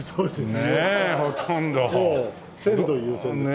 鮮度優先ですね。